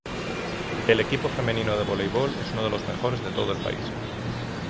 El equipo femenino de voleibol es uno de los mejores de todo el país.